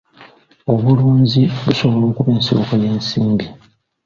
Obulunzi busobola okuba ensibuko y'ensimbi.